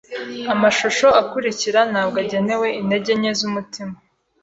Amashusho akurikira ntabwo agenewe intege nke z'umutima.